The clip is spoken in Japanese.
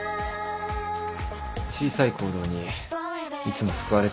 小さい行動にいつも救われてるよ。